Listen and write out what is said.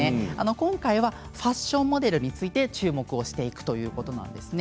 今回はファッションモデルに注目していくということです。